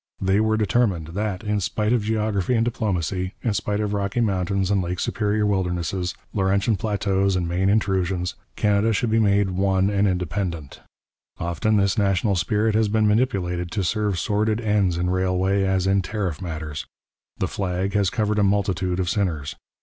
They were determined that, in spite of geography and diplomacy, in spite of Rocky Mountains and Lake Superior wildernesses, Laurentian plateaus and Maine intrusions, Canada should be made one and independent. Often this national spirit has been manipulated to serve sordid ends in railway as in tariff matters; the flag has covered a multitude of sinners.